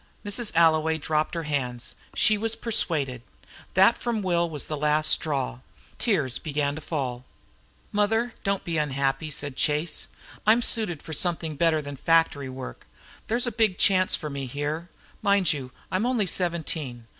Mrs. Alloway dropped her hands. She was persuaded. That from Will was the last straw. Tears began to fall. "Mother, don't be unhappy," said Chase. "I am suited for something better than factory work. There's a big chance for me here. Mind you, I'm only seventeen.